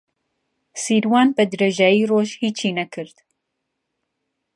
سیروان بەدرێژایی ڕۆژ هیچی نەکرد.